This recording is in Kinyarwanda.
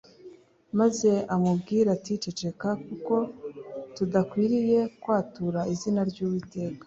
’ “Maze amubwire ati ‘Ceceka kuko tudakwiriye kwatura izina ry’Uwiteka.’